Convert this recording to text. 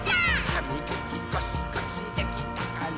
「はみがきゴシゴシできたかな？」